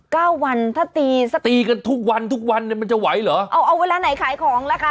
เก้าวันถ้าตีสักตีกันทุกวันทุกวันเนี่ยมันจะไหวเหรอเอาเอาเวลาไหนขายของล่ะคะ